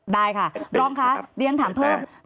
ได้ค่ะบร้องคะเดี๋ยวเราถามเพิ่ม